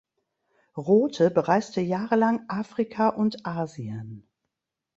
Rothe bereiste jahrelang Afrika und Asien.